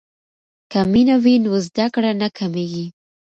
که مینه وي نو زده کړه نه کمیږي.